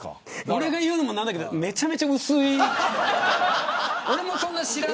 俺が言うのもなんだけどめちゃくちゃ薄い。